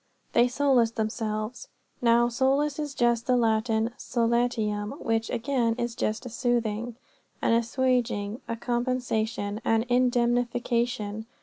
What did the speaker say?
"They solaced themselves." Now, solace is just the Latin solatium, which, again, is just a soothing, an assuaging, a compensation, an indemnification.